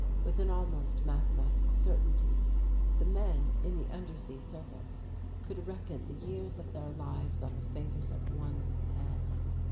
With an almost mathematical certainty the men in the undersea service could reckon the years of their lives on the fingers of one hand.